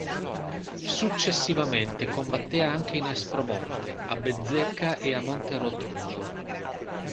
Successivamente combatté anche in Aspromonte, a Bezzecca e a Monterotondo.